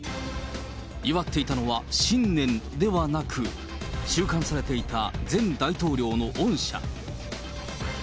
祝っていたのは新年ではなく、収監されていた前大統領の恩赦。